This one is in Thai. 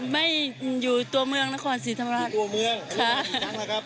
ไม่อยู่ตัวเมืองนครสีธรรมราชอยู่ตัวเมืองค่ะอีกครั้งแล้วครับ